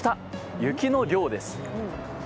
雪の量です。